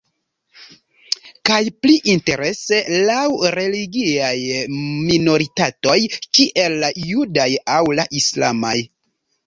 Kaj pli interese laŭ religiaj minoritatoj, kiel la judaj aŭ la islamaj.